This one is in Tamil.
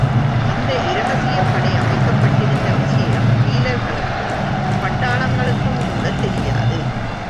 இந்த இரகசியப்படை அமைக்கப்பட்டிருந்த விஷயம் பீலர்களுக்கும் பட்டாளங்களுக்குங் கூடத் தெரியாது.